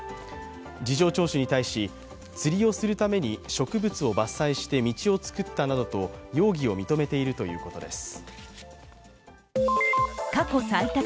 事情聴取に対し、釣りをするために植物を伐採して道を作ったなどと容疑を認めているということです。